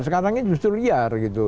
sekarang ini justru liar gitu